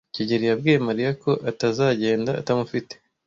kigeli yabwiye Mariya ko atazagenda atamufite.